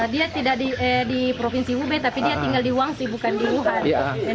dia tidak di provinsi hubei tapi dia tinggal di wangsi bukan di wuhan